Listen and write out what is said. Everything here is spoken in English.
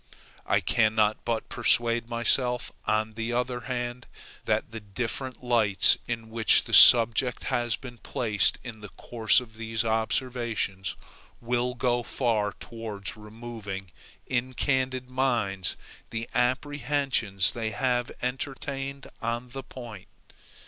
I cannot but persuade myself, on the other hand, that the different lights in which the subject has been placed in the course of these observations, will go far towards removing in candid minds the apprehensions they may have entertained on the point.